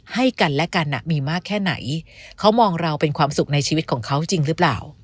ให้กันและกันมีมากแค่ไหนเขามองเราเป็นความสุขในชีวิตของเขาจริงหรือเปล่า